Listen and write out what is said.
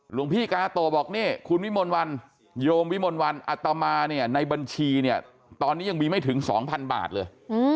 หลวงพี่กาโตะบอกนี่คุณวิมนต์วันธรรมภักดิ์โยมวิมนต์วันธรรมภักดิ์อัตมาเนี่ยในบัญชีเนี่ยตอนนี้ยังมีไม่ถึงสองพันบาทเลย